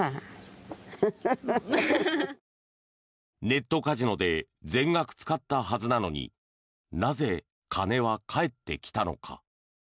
ネットカジノで全額使ったはずなのになぜ金は返ってきたのか。